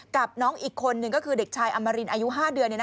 กับน้องอีกคนนึงก็คือเด็กชายอมรินอายุ๕เดือน